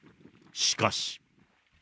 しかし。